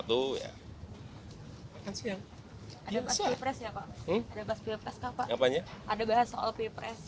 ada bahas ppres ya pak ada bahas ppres apa ada bahas soal ppres